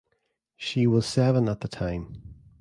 She was seven at the time.